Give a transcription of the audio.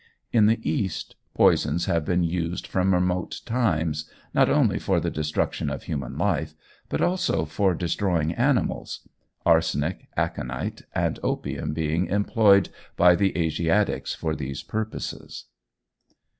In the East, poisons have been used from remote times, not only for the destruction of human life, but also for destroying animals arsenic, aconite, and opium being employed by the Asiatics for these purposes.